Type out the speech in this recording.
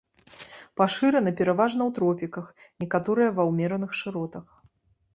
Пашыраны пераважна ў тропіках, некаторыя ва ўмераных шыротах.